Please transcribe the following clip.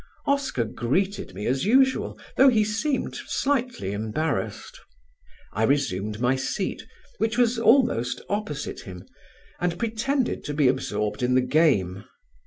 Oscar greeted me as usual, though he seemed slightly embarrassed. I resumed my seat, which was almost opposite him, and pretended to be absorbed in the game.